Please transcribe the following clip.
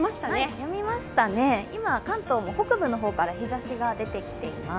やみましたね、今関東も北部の方から日ざしが出てきています。